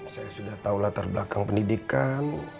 saya sudah tahu latar belakang pendidikan